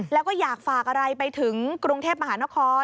แล้วก็อยากฝากอะไรไปถึงกรุงเทพมหานคร